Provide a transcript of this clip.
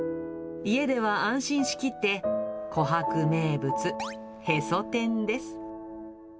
家では安心しきって、コハク名物、へそ天です。